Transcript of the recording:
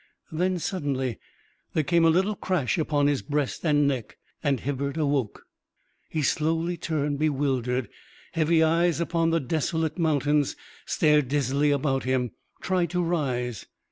Then, suddenly, there came a little crash upon his breast and neck, and Hibbert woke. He slowly turned bewildered, heavy eyes upon the desolate mountains, stared dizzily about him, tried to rise.